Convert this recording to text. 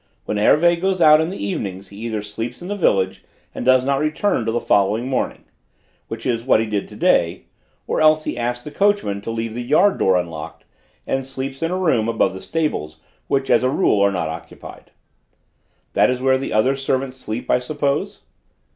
When Hervé goes out in the evenings he either sleeps in the village and does not return till the following morning, which is what he did to day, or else he asks the coachman to leave the yard door unlocked, and sleeps in a room above the stables which as a rule is not occupied." "That is where the other servants sleep, I suppose?"